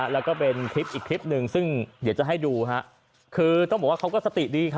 แล้วก็เป็นคลิปอีกคลิปหนึ่งซึ่งเดี๋ยวจะให้ดูคือต้องบอกว่าเขาก็สติดี